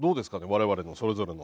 我々のそれぞれの。